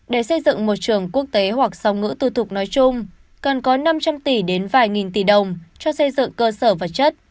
để xây dựng một trường quốc tế hoặc song ngữ tư thục nói chung cần có năm trăm linh tỷ đến vài nghìn tỷ đồng cho xây dựng cơ sở vật chất